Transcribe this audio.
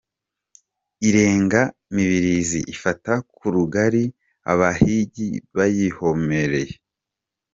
Irenga Mibilizi ifata ku Rugalika, abahigi bayihomereye.